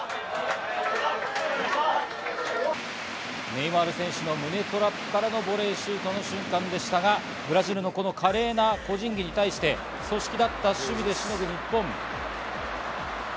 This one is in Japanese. ネイマール選手の胸トラップからのボレーシュートの瞬間でしたが、ブラジルの華麗な個人技に対して、組織立った守備でしのぐ日本。